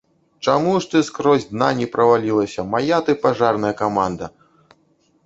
Чаму ж ты скрозь дна не правалілася, мая ты пажарная каманда!